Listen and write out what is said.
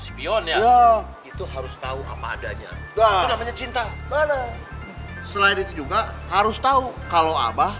sipion ya itu harus tahu apa adanya cinta mana selain itu juga harus tahu kalau abah